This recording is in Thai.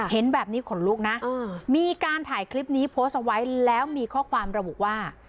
เห็นแบบนี้ขนลุกนะมีการถ่ายคลิปนี้โพสต์เอาไว้แล้วมีข้อความระบุว่า